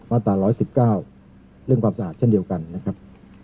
มาตราร้อยสิบเก้าเรื่องความสะอาดเช่นเดียวกันนะครับ